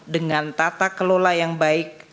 dengan tata kelola yang baik